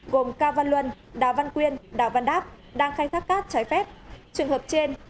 gồm cao văn luân đào văn quyên đào văn đáp đang khai thác cát trái phép